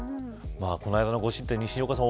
この間の５失点、西岡さん